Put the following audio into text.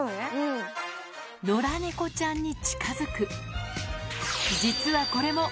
野良猫ちゃんに近づく。